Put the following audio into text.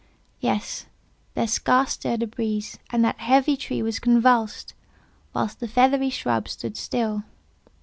Yes; there scarce stirred a breeze, and that heavy tree was convulsed, whilst the feathery shrubs stood still.